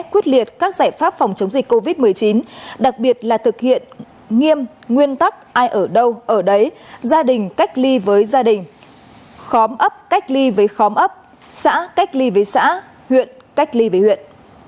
khóm ấp cách ly với khóm ấp xã cách ly với xã huyện cách ly với huyện